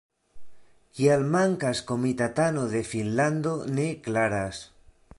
Kial mankas komitatano de Finnlando ne klaras.